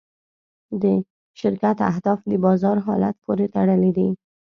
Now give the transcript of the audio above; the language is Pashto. د شرکت اهداف د بازار حالت پورې تړلي دي.